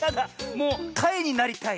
もうかいになりたい。